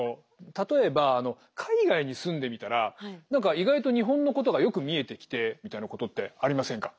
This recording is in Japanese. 例えば海外に住んでみたら何か意外と日本のことがよく見えてきてみたいなことってありませんか？